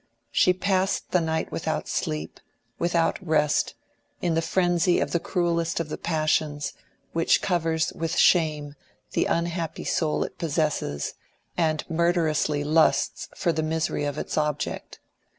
She passed the night without sleep, without rest, in the frenzy of the cruellest of the passions, which covers with shame the unhappy soul it possesses, and murderously lusts for the misery of its object.